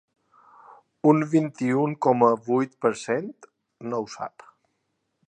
Un vint-i-u coma vuit per cent no ho sap.